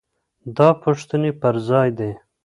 دا پوښتنې پر ځای دي.